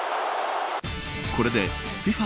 これでＦＩＦＡ